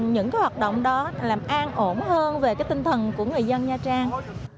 những hoạt động đó làm an ổn hơn về cái tinh thần của người dân nha trang